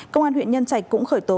công an huyện nhân trạch cũng khởi tố